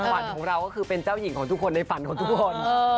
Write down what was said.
ฝันของเราก็คือเป็นเจ้าหญิงของทุกคนในฝันของทุกคน